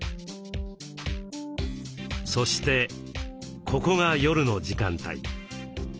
そしてここが夜の時間帯。